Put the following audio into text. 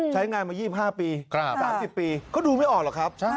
ใช้งานมา๒๕ปี๓๐ปีก็ดูไม่ออกหรอกครับ